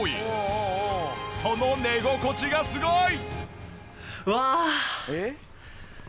その寝心地がすごい！